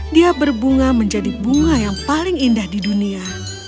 dia berbunga menjadi bunga yang paling indah di dunia